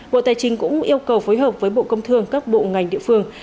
bộ tài chính cũng yêu cầu phối hợp với bộ công thương các bộ ngành địa phương